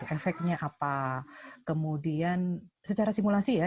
efeknya apa kemudian secara simulasi ya